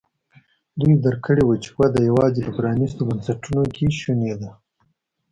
دوی درک کړې وه چې وده یوازې د پرانیستو بنسټونو کې شونې ده.